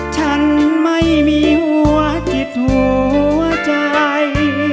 ฉันไม่มีหัวจิตหัวใจ